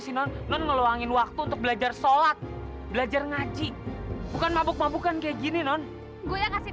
si non ngeluangin waktu untuk belajar sholat belajar ngaji bukan mabuk mabukan kayak gini non gue kasih